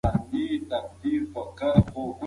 کورتیسول هورمون د غوړو ټولېدو سبب کیږي.